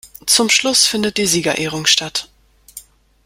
Zum Schluss findet die Siegerehrung statt.